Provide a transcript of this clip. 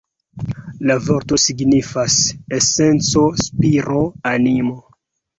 La vorto signifas "esenco, spiro, animo".